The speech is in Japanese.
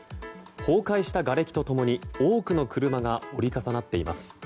崩壊したがれきと共に多くの車が折り重なっています。